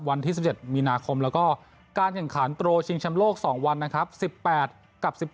วันที่๑๗มีนาคมแล้วก็การแข่งขันโตรชิงชำโลก๒วันนะครับ๑๘กับ๑๗